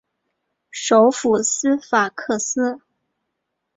首府斯法克斯。